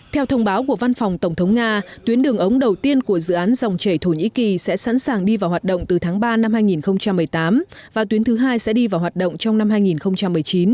theo thông báo của văn phòng tổng thống nga tuyến đường ống đầu tiên của dự án dòng chảy thổ nhĩ kỳ sẽ sẵn sàng đi vào hoạt động từ tháng ba năm hai nghìn một mươi tám và tuyến thứ hai sẽ đi vào hoạt động trong năm hai nghìn một mươi chín